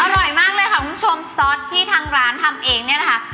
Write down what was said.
อร่อยมากเลยค่ะคุณผู้ชมซอสที่ทางร้านทำเองเนี่ยนะคะ